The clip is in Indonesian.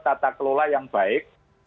tata kelola yang baik